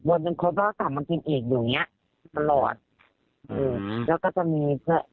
วนจนครบแล้วก็กลับมากินอีกอยู่อย่างนี้ตลอด